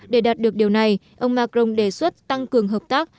để đạt được điều này ông macron đề xuất tăng cường hợp tác